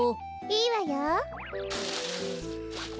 いいわよ。